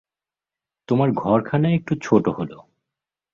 তোমার ঘরখানা একটু ছোট হল।